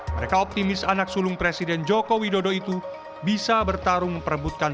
mereka optimis anak sulung presiden joko widodo itu bisa bertarung memperebutkan